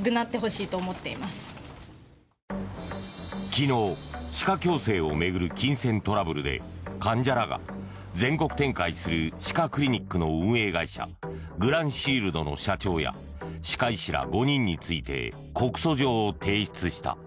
昨日歯科矯正を巡る金銭トラブルで患者らが、全国展開する歯科クリニックの運営会社グランシールドの社長や歯科医師ら５人について告訴状を提出した。